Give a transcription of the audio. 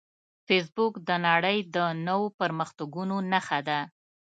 فېسبوک د نړۍ د نوو پرمختګونو نښه ده